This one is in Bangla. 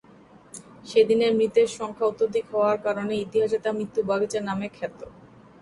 সেদিনের মৃতের সংখ্যা অত্যাধিক হওয়ার কারণে ইতিহাসে তা মৃত্যু-বাগিচা নামে খ্যাত।